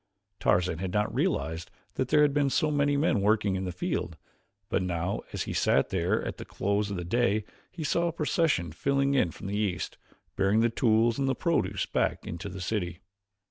Tarzan had not realized that there had been so many men working in the field, but now as he sat there at the close of the day he saw a procession filing in from the east, bearing the tools and the produce back into the city.